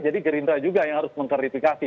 jadi gerindra juga yang harus mengkarifikasi